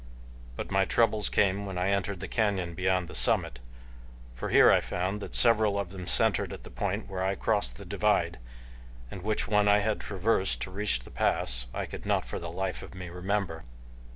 But my troubles came when I entered the canyon beyond the summit, for here I found that several of them centered at the point where I crossed the divide, and which one I had traversed to reach the pass I could not for the life of me remember.